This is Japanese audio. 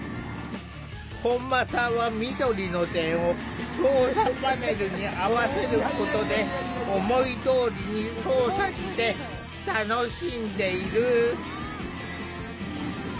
本間さんは緑の点を操作パネルに合わせることで思いどおりに操作して楽しんでいる。